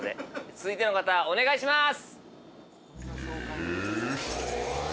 続いての方お願いします。